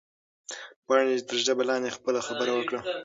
پاڼې تر ژبه لاندې خپله خبره وکړه.